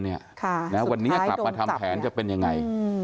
ค่ะสุดท้ายโดมจับวันนี้กลับมาทำแผนจะเป็นอย่างไร